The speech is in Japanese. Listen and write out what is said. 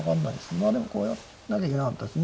まあでもこうやんなきゃいけなかったですね。